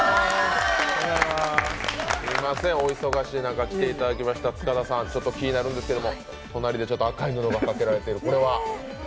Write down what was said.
すいませんお忙しい中来ていただきました、気になるんですけれども、隣で赤い布がかけられているこれは？